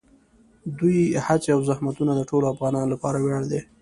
د دوی هڅې او زحمتونه د ټولو افغانانو لپاره ویاړ دي.